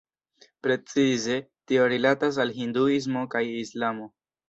Precize tio rilatas al Hinduismo kaj Islamo.